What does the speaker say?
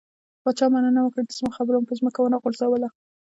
پاچا مننه وکړه، چې زما خبره مو په ځمکه ونه غورځوله.